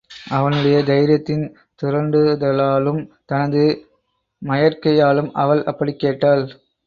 அவனுடைய தைரியத்தின் துரண்டுதலாலும் தனது மயற்கையாலும் அவள் அப்படிக் கேட்டாள்.